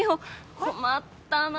困ったなぁ。